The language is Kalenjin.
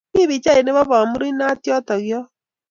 Mi pichait nebo bomuru inat yoto yo